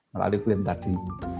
melalui klien tadi